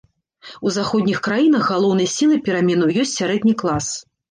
У заходніх краінах галоўнай сілай пераменаў ёсць сярэдні клас.